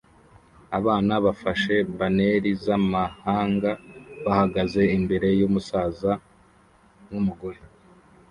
Abana bafashe banneri zamahanga bahagaze imbere yumusaza numugore